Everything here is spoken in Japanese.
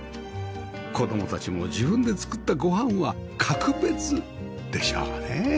子供たちも自分で作ったご飯は格別でしょうね